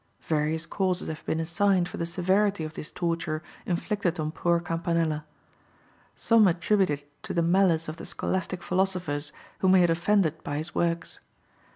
Various causes have been assigned for the severity of this torture inflicted on poor Campanella. Some attribute it to the malice of the scholastic philosophers, whom he had offended by his works.